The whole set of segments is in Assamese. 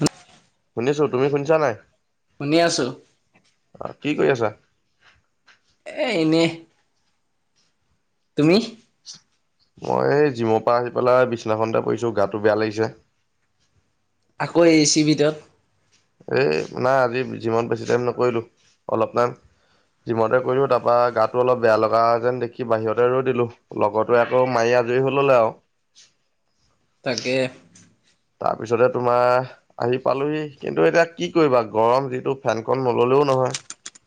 ন শুনিছো তুমি শুনিছা নাই শুনি আছো অ', কি কৰি আছা [inaudible] এ ইনে তুমি মই এই জিমৰ পৰা আহি পেলাই বিছনাখনতে পৰিঢ়ছো গাটো বেয়া লাগিছে [unintelligible] আকৌ এই চি ভিতৰত এ নাই আজি যিমানত বেছি টাইম নকৰিলো অলপ টাইম যিমতে কৰিলো তাৰপা গাটো অলপ বেয়া লগা যেন দেখি বাহিৰতে ৰই দিলো লগৰতো আকৌ মাৰি আজৰি হৈ ললে আৰু তাকে তাৰপিছতে তোমাৰ আহি পালোহি কিন্তু এতিয়া কি কৰিবা গৰম যিটো ফেনখন নললেও নহয় [unintelligible]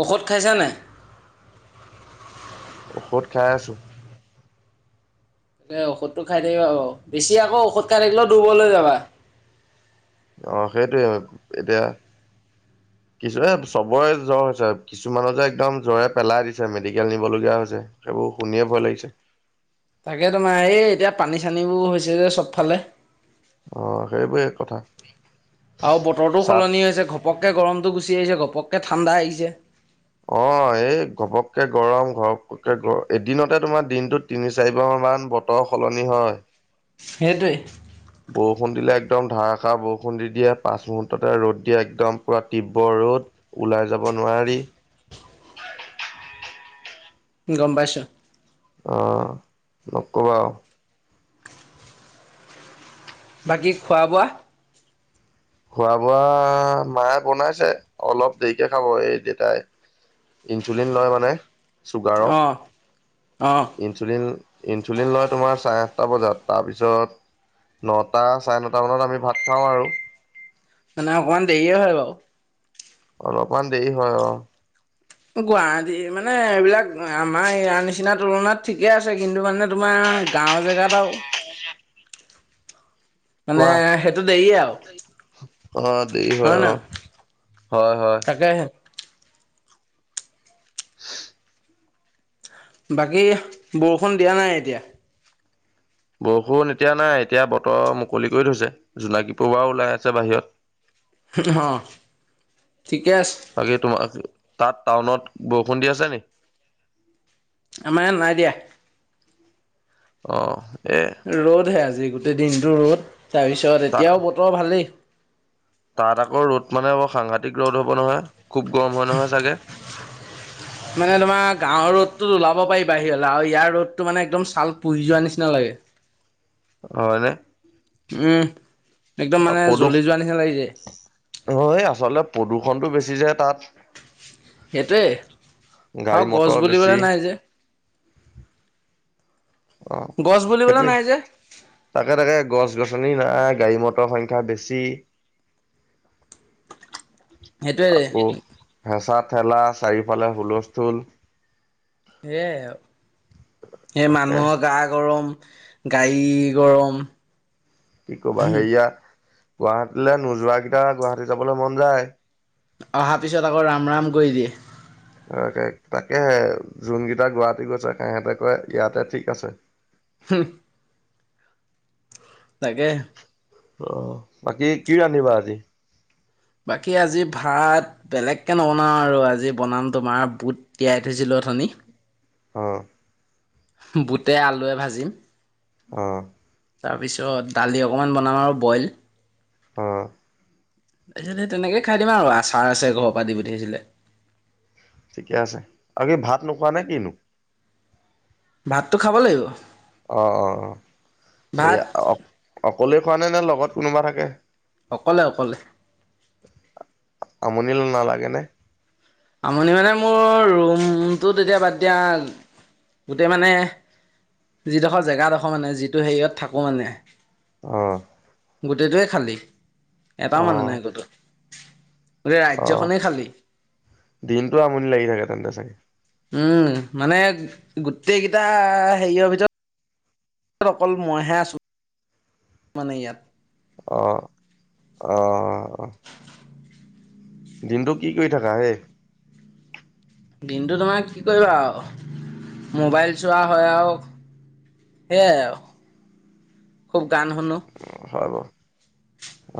ঔষধ খাইছানে ঔষধ খাই আছো [inaudible] তাকে ঔষধটো খাই থাকিব বেছি আকৌ ঔষধ খাই থাকিলেও দুবলৈ যাবা অহ সেইটোৱে এতিয়া [inaudible] কিছু চবৰে জ্বৰ হৈছে কিছু মানুহ যে একদম জ্বৰে পেলাই দিছে মেডিকেল নিবলগীয়া হৈছে ব শুনিয়ে ভয় লাগিছে তাকে তোমাৰ এই এতিয়া পানী চানীবোৰ হৈছে যে চবফালে অ সেইবোৰে কথা আৰু বতৰটো চাত সলনি হৈছে ঘপককৈ গৰমটো গুচি আহিছে ঘপককৈ ঠাণ্ডা আহিছে অ', এই ঘপককে গৰম, ঘৰককে গৰ এদিনতে তোমাৰ দিনটোত তিনি চাৰিবাৰ মান ইমান বতৰ সলনি হয়। সেইটোৱে। বৰষুণ দিলে একদম ধাৰাষাৰ বৰষুণ দি দিয়ে, পাঁচ মুহূৰ্ততে ৰ'দ দিয়ে একদম পুৰা তীব্ৰৰ ৰ'দ, ওলাই যাব নোৱাৰি গম পাইছোঁ। অহ নকবা আও। বাকী খোৱা বোৱা খোৱা বোৱা মায়ে বনাইছে, অলপ দেৰিকে খাব, এই দেউতাই ইনচুলিন লয় মানে, চুগাৰৰ, অ অ ইনচুলিন ইনচুলিন লয় তোমাৰ চাৰে আঠটা বজাত, তাৰপিছত নটা, চাৰে নটা মানত আমি ভাত খাওঁ আৰু। মানে অকমান দেৰিয়ে হয় বাৰু। অলপমান দেৰি হয়, অ। গুৱাহাটী মানে, এইবিলাক আমাৰ ইয়াৰ নিচিনা তুলনাত ঠিকে আছে কিন্তু মানে তোমাৰ গাঁও জেগাত আৰু [inaudible] মানে কোৱা, সেইটো দেৰিয়ে আৰু অ', দেৰি হয়, অ। হয়-হয়। তাকেহে [inaudible] বাকী, বৰষুণ দিয়া নাই এতিয়া?। বৰষুণ এতিয়া নাই, এতিয়া বতৰ মুকলি কৰি থৈছে। জোনাকী পৰোৱাও ওলাই আছে বাহিৰত। অ', ঠিকে আছ বাকী তোমাক, তাত টাউনত বৰষুণ দি আছে নি?। আমাৰ ইয়াত নাই দিয়া। অ' এ ৰ'দহে আজি গোটেই দিনতটো ৰ'দ, তাৰপিছত তা এতিয়াও বতৰ ভালেই। তাত আকৌ ৰ'দ মানে বৰ সাংঘাতিক ৰ'দ হ'ব নহয়। খুব গৰম হয় নহয় চাগে?। মানে তোমাৰ, গাঁৱৰ ৰ'দটোত ওলাব পাৰি বাহিৰলে, আৰু ইয়াৰ ৰ'দ টো মানে একদম ছাল পুৰি যোৱা নিচিনা লাগে। হয়নে? উম, একদম মানে, প্ৰদূষ জ্বলি যোৱা নিচিনা লাগি যায়। নটো বেছি যে তাত। সেইটোৱে, গাড়ী আৰু গছ মটৰ বেছি বুলিবলৈ নাই যে। অ', গছ বুলিবলৈ সেইটোৱে। নাই যে তাকে তাকে গছ গছনি নাই গাড়ী মটৰৰ সংখ্যা বেছি সেইটোৱে আকৌ হেঁচা ঠেলা, চাৰিওফালে হুলস্থুল সেয়াই আৰু, এ তাকে মানুহৰ গা গৰম গাড়ীৰ গৰম কি কবা, হেৰিয়া, গুৱাহাটীলে নোযোৱাকেইটা গুৱাহাটী যাবলৈ মন যায়। অহাৰ পিছত আকৌ ৰামৰাম কৰি দিয়ে। ত-তাকেহে জোনকেইটা গুৱাহাটী গৈছে, সিহঁতে কয় ইয়াতে ঠিক আছে। হূহ। তাকে। অ', বাকী কি ৰান্ধিবা আজি? বাকী আজি ভাত, বেলেগকে নবনাও আৰু আজি বনাম তোমাৰ বুট তিয়াই থৈছিলো অথনি। অ। বুটে আলুৱে ভাজিম। অ। তাৰপিছত, দালি অকণমান বনাম আৰু বইল। অ। তাৰপিছত, হে তেনেকে খাই দিম আৰু আচাৰ আছে ঘৰৰ পৰা দি পঠিছিলে। ঠিকে আছে, বাকি ভাত নোখোৱা নে কিনো? ভাত'টো খাব লাগিব। অ', অ', ভাত সেয়া অ-অকলে খোৱা নে, নে লগত কোনোবা থাকে? অকলে-অকলে। নালাগেনে? আমনি মানে মোৰ, ৰুমটো তেতিয়া বাদ দিয়া গোটেই মানে যিডোখৰ জেগাডোখৰ মানে যিটো হেৰিয়ত থাকোঁ মানে আহ গোটেইটোৱে খালী এটাও মানে নাই গোটত গোটেই অ ৰাজ্যখনেই খালী দিনটো আমনি লাগি থাকে তেন্তে চাগে মানে গোটেইকেইটা হেৰিয়ৰ ভিতৰত তত অকল মইহে আছোঁ মানে ইয়াত আহ আহ আহ দিনটো কি কৰি থাকা হেই দিনটো তোমাৰ কি কৰিবা মোবাইল চোৱা হয় আৰু সেয়াই খুব গান শুনো হয় বাৰু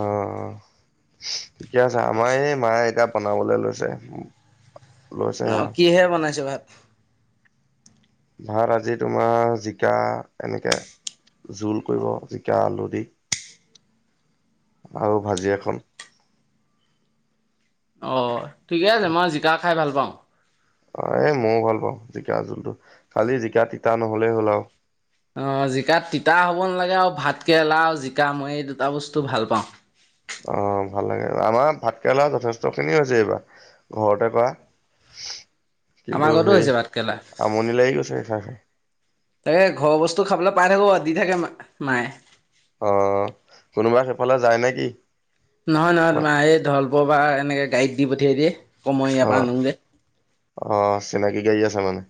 অ অ ঠিকে আছে আমাৰ এই মায়ে এতিয়া বনাবলৈ লৈছে লৈছে অ কিহে বনাইছে ভাত ভাত আজি তোমাৰ জিকা এনেকে জোল কৰিব জিকা আলু দি আৰু ভাজি এখন অ ঠিকে আছে মই জিকা খাই ভাল পাম অ এই মইও ভাল পাওঁ জিকা জোলটো খালি জিকা তিতা নহলেই হ'ল আৰু অ জিকাত তিতা হ'ব নালাগে আৰু ভাত কেৰেলা আৰু জিকা মই এই দুটা বস্তু ভাল পাওঁ অ ভাল লাগে আমাৰ ভাতকেৰেলা যথেষ্ট খিনি হৈছে এইবাৰ ঘৰতে কৰা আমাৰ কিন্তু ঘৰতো সেই হৈছে ভাত কেৰেলা। আমনি লাগি গৈছে এষা খে এই ঘৰৰ বস্তু খাবলৈ পাই থাকো দি থাকে মায়ে অ কোনোবা সেইফালে যায় নে কি নহয় নহয় তোমা এই ধল প বা এনেকে গাইীত দি পঠিয়াই দিয়ে অ মই ইয়াৰ পৰা আনো যে গ আছা মানে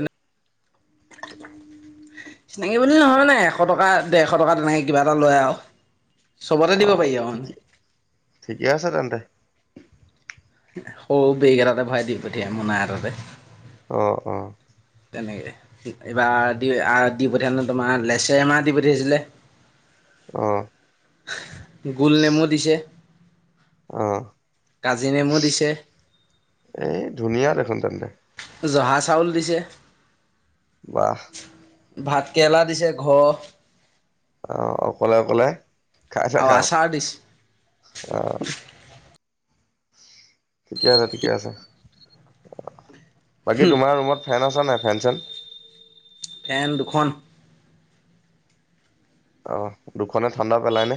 চিনাকি বুলি নহয় নে এশ টকা ডেৰশ টকা তেনেকৈ কিবা এটা লয় আৰু চবতে অ দিব পাৰি আৰু মানে ঠিকে ঠিকে আছে তেন্তে সৰু বেক এটাতে ভৰাই দি পঠিয়াই মোনা এটাতে অঁ অঁ তেনেকৈ এইবাৰ দি দি পঠিয়াল নো তোমাৰ লেচেৰমাহ দি পঠিয়াইছিলে আহঁ গুল নেমো দিছে আহ কাজি নেমু দিছে এই ধুনীয়া দেখোন তেন্তে জহা চাউল দিছে ৱাহ ভাতকেৰেলা দিছে ঘৰ আহ অকলে অকলে খাই থাকা আৰু আচাৰ দিছে আহ ঠিকে আছে ঠিকে আছে বাকী তোমাৰ ৰুমত ফেন আছ নাই থেনঞ্চন ফেন দুখন আহ দুখনে ঠাণ্ডা পেলাইনে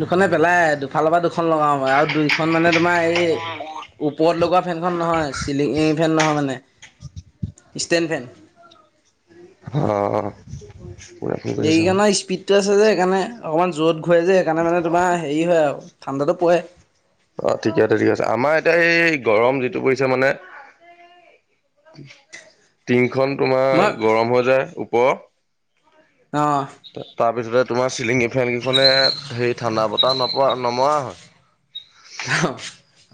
দুখনে পেলাই দুফালৰ পৰা দুখন লগাও আৰু দুইখন মানে তোমাৰ এই ওপৰত লগোৱা ফেনখন নহয় চিলিং ফেন নহয় মানে ষ্টেনভেন অ পুৰা ফোন কৰিছে বেিক চাওঁ ন স্পিড যে সেইকাৰণে অকণমান যত ঘূৰেই যে সেইণোনে তোমাৰ হেৰি হয় আৰু ঠাণ্ডাতো পৰে অ ঠিকে আছে ঠিকে আছে আমাৰ এতিয়া এই গৰম যিটো পৰিছে মানে টিংখন মই তোমাৰ গৰম হৈ যায় ওপৰৰত অঁ তাৰপিছতে তোমাৰ চিলিঙ ফেনকেইখনে হেৰি ঠাণ্ডা বতাহ নপৰা নমৰা হয় অ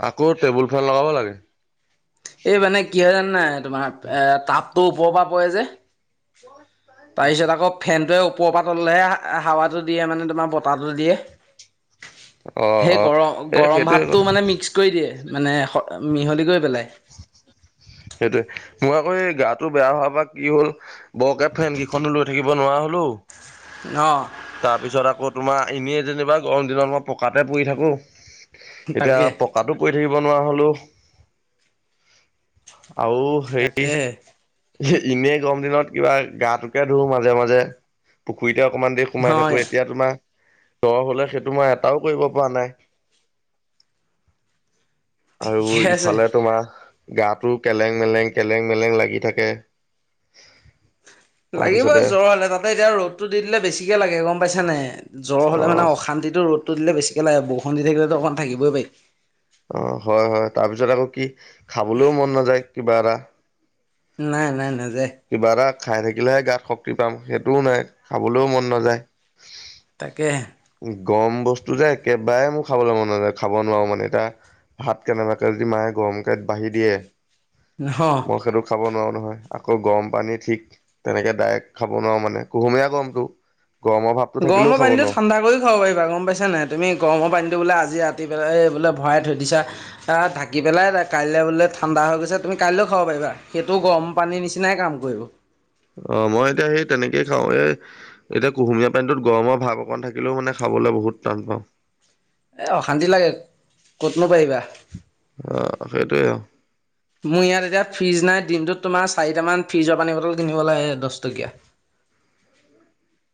আকৌ টেবুল ফেন লগাব লাগে এই মানে কি হয় জান নাই তোমাৰ এ াপতটো ওপৰৰ পৰা পৰে যে তাৰপিছত আকৌ ফেনটোৱে কওপপাতলেহে হাৱাটো দিয়ে মানে তোমাৰ বতাহটো দিয়ে অ সেই অ গৰম এই গৰম সেইটোৱে ভাপটো কথা মানে মিক্স কৰি দিয়ে মানে মিহলি কৰি পেলাই সেইটোৱে মই আকৌ এই গাটো বেয়া হোৱাৰ পৰা কি হল বৰকে ফেন কেইখনো লৈ থাকিব নোৱাৰা হলো অ' তাৰপিছত আকৌ তোমাৰ এনেই যেনিবা গৰম দিনত মই পকাতে পৰি থাকো এতিয়া তাকে পকাাতো পৰি থাকো বনোৱা হলো আৰুও সেই তাকে ইনেই গৰম দিনত কিবা গা টোকে ধো মাজে মাজে পুখুৰীত এতি অকমান দেৰি সোমাই থাকো হয় এতিয়াোমাৰ ত হলে সেইটো মই এটাও কৰিব পৰা নাই আৰু ঠিকে আছে। ইফালে তোমাৰ গাটো কেলেং মেলেং কেলেং মেলেং লাগি থাকে লাগিবই তাৰপিছতে জ্বৰ হ'লে তাতে এতিয়া ৰ'দটো দি দিলে বেছিকে লাগে গম পাইছ নে জ্বৰ অ হ'লোনে অান্তিটো ৰদতটো দিলেিে লাগে বহু সন্ধি থাকিলেো অকণ থাকিবই পাই তাৰ পিছত আকৌ কি খাবলৈও মন নাযায় কিবা এটা নাই নাই নাই কিবা এটা খাই থাকিলেহে গাত শক্তি পাম সেইটোও নাই খাবলৈও মন নাযায় তাকেহে গম বস্তু যে একেবাৰে মোৰ খাবলৈ মন নযায় খাব নোৱাৰো মানে এটা ভাত কেনেবাকে য মাহে গৰম কত বাঢ়ি দিয়ে নহ মই সেইটো খাব নোৱাৰো নহয় আকৌ গৰম পানী ঠিক তেনেকে ডাইৰেক্ট খাব নোৱাৰো মানে কুহুমীয়া গমতটো গৰমৰ ভাৱটো থাকিলেও খাব ন খব পাৰিবা গম পাইছা নাই তুমি গৰমৰ পানীতটো বোলে আজি ৰাতি পেলাই বোলে ভৰাই থৈ দিছাঢাকি পেলাইা কাইলৈ বোলে ঠাণ্ডা হৈ গৈছে তুমি কাইলৈও খাব পাৰিবা সেইটো গৰম পানী নিচিনাই কাম কৰিব অ মই এতিয়া সেই তেনেকেই খাও এ এতিয়া কুহুমীয়া পানীতটোত গৰমৰ ভাৱ অকণ থাকিলেও মানে খাওঁ খাবলৈ বহুত টান পাওঁ এ অশান্তি লাগে ক'তনো পাৰিবা অ সেইটোৱে মোৰ ইয়াত এতিয়া ফ্ৰিজ নাই দিনটোত তোমাৰ চাৰিটামান ফ্ৰিজৰ পানী বটল কিনিব লাগে দহ টকীয়া উ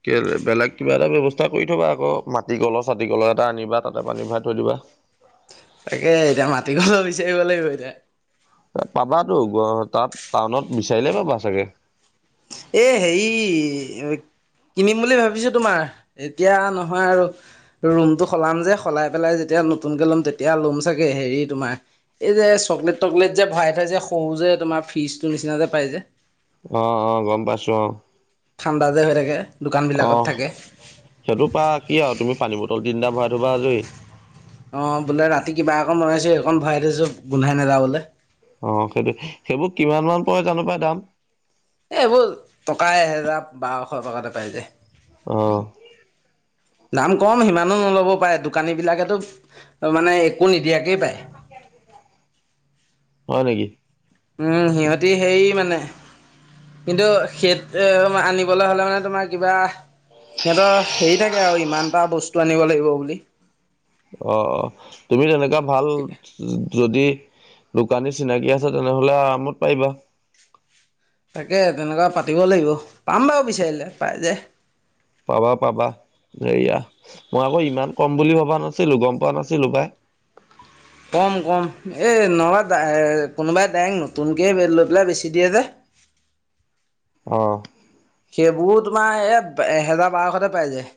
কে বেলেগ কিবা এটা ব্যয়ৱস্থা কৰি থবা আকৌ মাটি কলৰ চাটি কলৰ এটা আনিবা তাতে পানী ভৰাই থৈ দিবা অ তাকে এতিয়া মাটি ঘল বিচাৰিব লাগিব এতিয়া এ পাবাতো গ তাত টাউনত বিচাৰিলেই পাবা চাগে এ হে কিনিম বুলি ভাবিছো তোমাৰ এতিয়া নহয় আৰু ৰুমটো সলাম যে সলাই পেলাই যেতিয়া নতুনকে ল'ম তেতিয়া ল'ম চাগে হেৰি তোমাৰ এই যে চকলেট তকলেট যে ভৰাই থাই যে সহ যেে তোমাৰ ফিজটো নিচিনা যে পাই যে অ অ গম পাইছো অ ঠাণ্ডা যে হৈ থাকে দোকানবিলাকত আহ থাকে সেইটো পাৰ কি আৰু তুমি পানী বটল না ভৰাই থবা আজৰি অ বোলে ৰাতি কিবা অকণ বনাইছো অকণ ভৰাই থৈছো গোন্ধাই নাযাওঁ বোলে অ সেইটো সেইবোৰ কিমান মান পৰে জানো পাই দাম? এ-এইবোৰ টকা এহেজাৰ বাৰশ টকাতে পাই যায়। অহ। দাম কম সিমানো নল'ব পাৰে দোকানী বিলাকেতো মানে একো নিদিয়াকেই পায়। হয় নেকি। উম সিহঁতি সেই মানে। কিন্তু সেইটো আনিবলৈ হ'লে মানে তোমাৰ কিবা। - সিহঁতৰ হেৰি থাকে আৰু ইমান এটা বস্তু আনিব লাগিব বুলি। অ অ তুমি তেনেকুৱা ভাল যদি। - দোকানী চিনাকি আছে তেনেহলে আৰামত পাৰিবা। তাকে তেনেকুৱা পাতিব লাগিব পাম বাৰু বিচাৰিলে পাই যে। পাবা পাবা। হেয়া মই আকৌ ইমান কম বুলি ভবা নাছিলো গম পোৱা নাছিলো পাই। কম কম এই নবা কোনোবাই ডেং নতুনকে ব লৈ পেলাই বেছি দিয়ে যে। অহ সেইবোৰ তোমাৰ এ-এহেজাৰ বাৰশতে পাই যায়।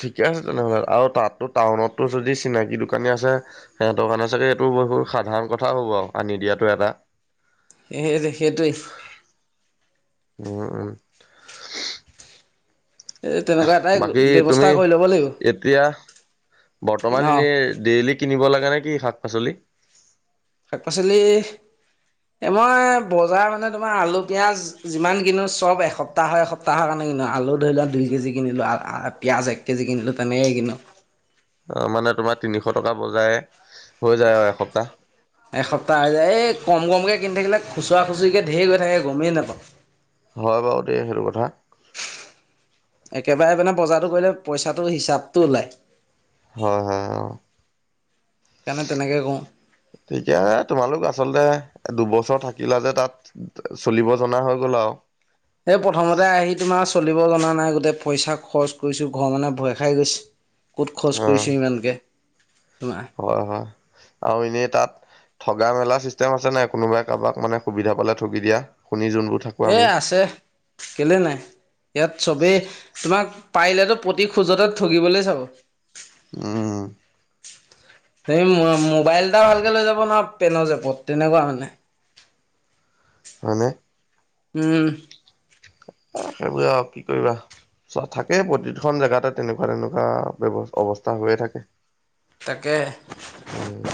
ঠিকে আছে তেনেহ'লে আৰু তাতো টাউনতটো যদি চিনাকি দোকানী আছে সে দোকানী চাগে। - এইটো বসত সাধাৰণ কথা হ'ব আনি দিয়তটো এটা। সেই [unintelligible] সেইটোৱেই। উম [unintelligible] এই তেনেকুৱা এটাই বাকী তুমি ব্যৱস্থা কৰি ল'ব লাগিব এতিয়া। বৰ্তমান অ এনে ডেইলি কিনিব লাগা নে কি শাক-পাচলি? শাক-পাচলি এ মই বজাৰ মানে তোমাৰ আলু পিয়াজ যিমান কিনো চব এসপ্তাহৰ এসপ্তাহৰ কাৰণে। ক আলু ধৰি লোৱা দুই কেজি কিনিলো পিয়াজ এক কেজি কিনিলো তেনেকে কিনো। অ মানে তোমাৰ তিনিশ টকা বজাই। - এসপ্তাহ হৈ যায় এই কম কম। - [unintelligible] কৈ কিন থাকিলে খুচুৰাুচৰিকে ঢেৰ হৈ থাকে গমেই নাপাওঁ। হয় বাৰু দেই সেইটো কথা। একেবাৰে মানে বজাৰটো কৰিলে পইচাটো হিচাপটো ওলাই। হয় হয় আৰু। সেইকাৰণে তেনেকৈ কৰোঁ ঠিকে তোমালোক আচলতে। - দুবছৰ থাকিলা যে তাত চলিব জনা হৈ গ'ল আৰু। এই প্ৰথমতে আহি তোমাৰ চলিব জনা নাই গোটেই পইচা খৰচ কৰিছো ঘৰ মানে ভয় খাই গৈছে। ক'ত খৰচ অ কৰিছো ইমানকে। হয় হয় আৰু এনেই তাত। - ঠগা মেলা চিষ্টেম আছে নাই কোনোবাই কাৰোবাক মানে সুবিধা পালে ঠগি দিয়া? শুণি যোনবোৰ থাকোঁ এ আমি। আছে কেলে নাই ইয়াত চবেই তোমাক পাৰিলেতো প্ৰতি খোজতে ঠগিবলৈ চাব। উ সে মোবাইল এটা ভালকে লৈ যাব নোৱাৰা পেনৰ জেপত তেনেকুৱা মানে। হয়নে? উম, সেইবুৰে আৰু কি কৰিবা। চোৱা থাকেই প্ৰতিখন জেগাতে তেনেকুৱা তেনেকুৱা ব্যৱ অৱস্থা হৈয়ে থাকে। তাকে। উম।